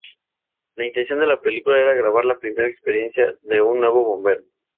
La intención de la película era grabar la primera experiencia de un nuevo bombero.